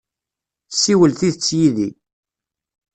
Ssiwel tidet yid-i!